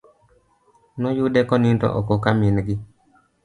Noyude konindo oko ka min gi.